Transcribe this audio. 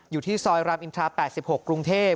อยู่ที่ซอยรามอินทรา๘๖กรุงเทพ